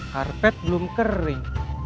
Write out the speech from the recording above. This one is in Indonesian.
karpet belum kering